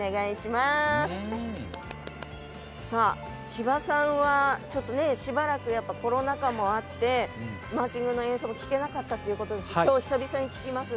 千葉さんはしばらくコロナ禍もあってマーチングの演奏も聴けなかったということですが今日久々に聴きます。